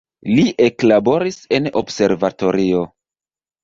Li eklaboris en observatorio.